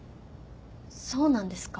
そうなんですか？